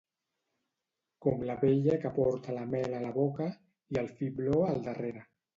Com l'abella que porta la mel a la boca, i el fibló al darrere.